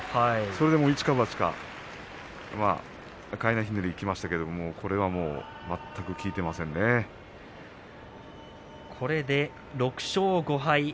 それで一か八かかいなひねりにいきましたけどこれで６勝５敗。